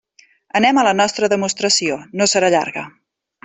Anem a la nostra demostració; no serà llarga.